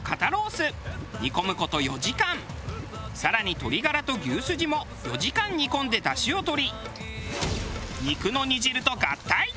更に鶏ガラと牛スジも４時間煮込んでだしをとり肉の煮汁と合体！